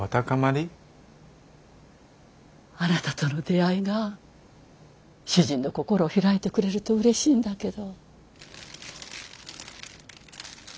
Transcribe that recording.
あなたとの出会いが主人の心を開いてくれるとうれしいんだけど。